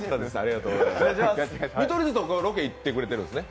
見取り図とロケ行ってきてくれたんですね？